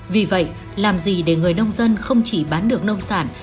vì vậy làm gì để người nông dân không chỉ bán được nông sản